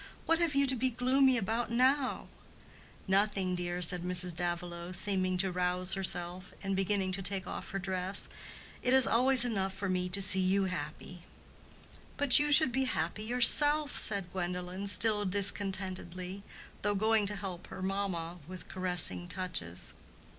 What have you to be gloomy about now?" "Nothing, dear," said Mrs. Davilow, seeming to rouse herself, and beginning to take off her dress. "It is always enough for me to see you happy." "But you should be happy yourself," said Gwendolen, still discontentedly, though going to help her mamma with caressing touches.